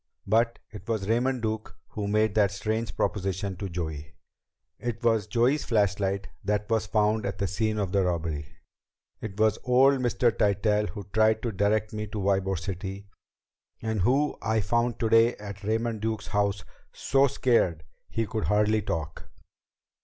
But it was Raymond Duke who made that strange proposition to Joey. It was Joey's flashlight that was found at the scene of the robbery. It was old Mr. Tytell who tried to direct me to Ybor City and who I found today at Raymond Duke's house so scared he could hardly talk.